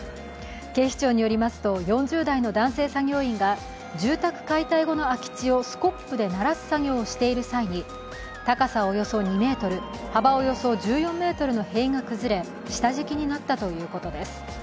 警視庁によりますと、４０代の男性作業員が住宅解体後の空き地をスコップでならす作業をしている際に高さおよそ２ｍ、幅およそ１４ｍの塀が崩れ、下敷きになったということです。